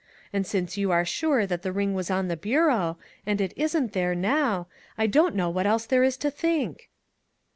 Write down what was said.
And since you are sure that the 1 06 A SEA OF TROUBLE ring was on the bureau, and it isn't there now, I don't know what else there is to think."